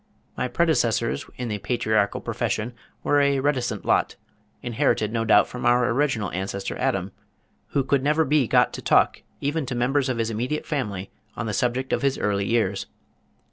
My predecessors in the patriarchal profession were a reticent lot, inherited no doubt from our original ancestor Adam, who could never be got to talk even to members of his immediate family on the subject of his early years.